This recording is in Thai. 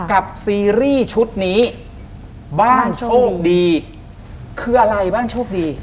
ซีรีส์ชุดนี้บ้านโชคดีคืออะไรบ้างโชคดี